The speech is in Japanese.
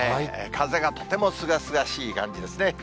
風がとてもすがすがしい感じですね。